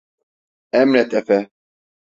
Emret Efe.